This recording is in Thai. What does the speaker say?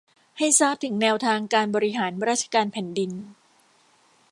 ให้ทราบถึงแนวทางการบริหารราชการแผ่นดิน